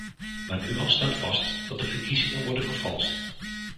Maar nu al staat vast dat de verkiezingen worden vervalst.